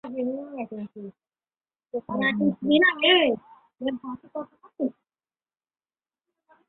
চারুলতার সে সুযোগ ছিল না।